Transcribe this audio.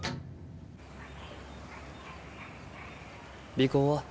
尾行は？